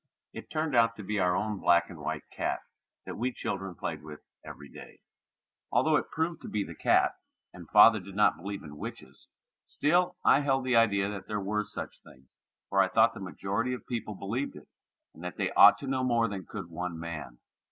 It turned out to be our own black and white cat that we children played with every day. Although it proved to be the cat, and father did not believe in witches, still I held the idea that there were such things, for I thought the majority of the people believed it, and that they ought to know more than could one man.